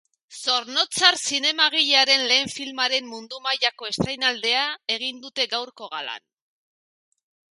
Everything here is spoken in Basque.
Zornotzar zinemagilearen lehen filmaren mundu mailako estreinaldia egin dute gaurko galan.